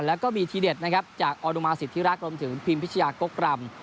และก็มีทีเด็ดจากออโนมาสิตที่รักรวมถึงพิมพิชยากรกรำ